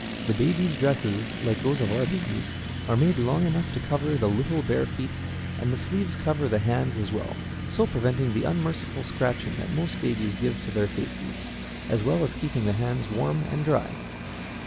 The baby's dresses, like those of our babies, are made long enough to cover the little bare feet; and the sleeves cover the hands as well, so preventing the unmerciful scratching that most babies give to their faces, as well as keeping the hands warm and dry.